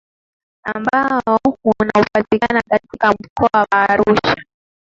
ambao hunaopatikana katika mkoa wa Arusha